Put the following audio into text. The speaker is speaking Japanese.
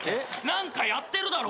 何かやってるだろ？